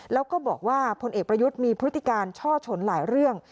แล้วก็บอกว่าพลเอกประยุทธ์มีพฤติการช่อชนหลายเรื่อง